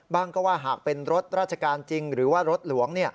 ก็ว่าหากเป็นรถราชการจริงหรือว่ารถหลวง